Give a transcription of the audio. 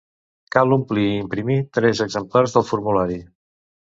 Cal omplir i imprimir tres exemplars del formulari.